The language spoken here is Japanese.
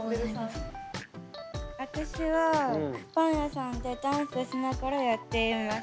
私はパン屋さんでダンスしながらやっています。